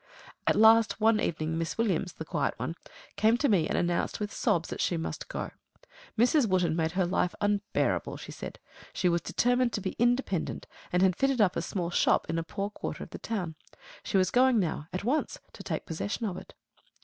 At last one evening Miss Williams the quiet one came to me and announced with sobs that she must go. Mrs. Wotton made her life unbearable, she said. She was determined to be independent, and had fitted up a small shop in a poor quarter of the town. She was going now, at once, to take possession of it.